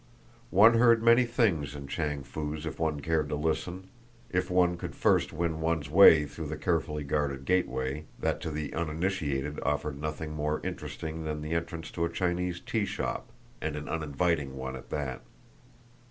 One heard many things in Chang Foo's if one cared to listen if one could first win one's way through the carefully guarded gateway, that to the uninitiated offered nothing more interesting than the entrance to a Chinese tea shop, and an uninviting one at that!